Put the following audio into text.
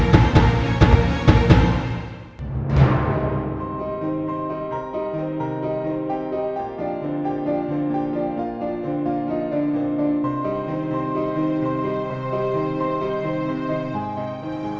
gak ada apa apa